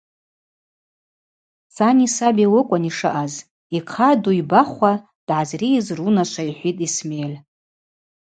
Сани саби ауи акӏвын йшаъаз, – йхъа ду йбахуа дгӏазрийыз рунашва йхӏвитӏ Исмель.